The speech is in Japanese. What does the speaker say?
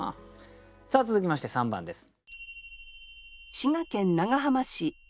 さあ続きまして３番です。